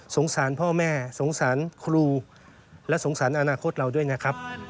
สารพ่อแม่สงสารครูและสงสารอนาคตเราด้วยนะครับ